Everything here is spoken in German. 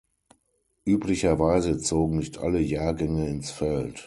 Üblicherweise zogen nicht alle Jahrgänge ins Feld.